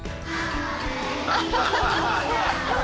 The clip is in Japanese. アハハハ！